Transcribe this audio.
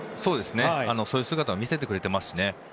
そういう姿を見せてくれてますしね。